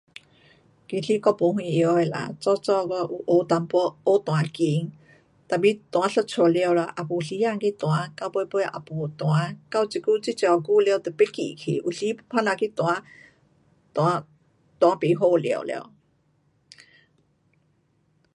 其实我没什会晓啦，早早我有学一点学弹琴，tapi 弹一阵了也没时间去弹，到尾尾也没弹，到这久这么久了也不记去，有时要打算去弹，弹，弹不好了了。